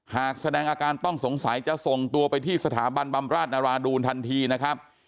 หากแสดงอาการต้องสงสัยจะส่งตัวไปที่สถาบันบำราชนราดูนทันทีนะครับ